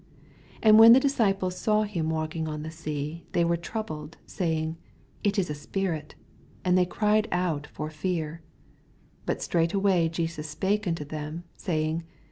26 And when the disciples saw him walking on the sea, thejr were troub led, saying, It is a spirit ; and they cried out fbr fear. 27 But straightway Jesus spake unto them, saying.